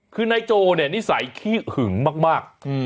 คือนายโจเนี่ยนิสัยขี้หึงมาก